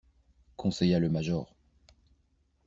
Conseilla le major.